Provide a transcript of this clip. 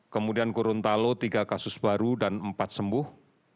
kemudian gorontalo tiga kasus baru dan empat sembuh